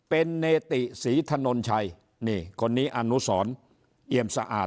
เป็นเนติศรีถนนชัยนี่คนนี้อนุสรเอี่ยมสะอาด